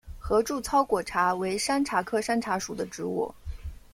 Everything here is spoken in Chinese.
合柱糙果茶为山茶科山茶属的植物。